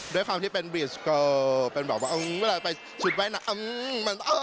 ด้วยความที่เป็นบรีสก็เป็นบอกว่าอื้อเวลาไปชุดว่ายน้ำอื้อมันอ่า